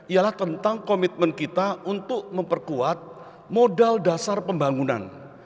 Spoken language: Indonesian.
ialah tentang komitmen kita untuk memperkuat modal dasar pembangunan